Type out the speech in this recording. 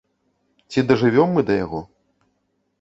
Ці дажывём мы да яго?